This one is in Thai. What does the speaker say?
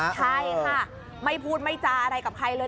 ใช่ค่ะไม่พูดไม่จาอะไรกับใครเลย